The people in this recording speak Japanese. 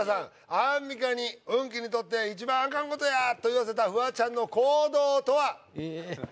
アンミカに「運気にとって一番アカンことや！」と言わせたフワちゃんの行動とは？